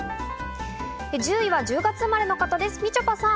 １０位は１０月生まれの方です、みちょぱさん。